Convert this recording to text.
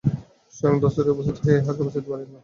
স্বয়ং ধন্বন্তরি উপস্থিত হইলেও ইহাকে বাঁচাইতে পারিবেন না।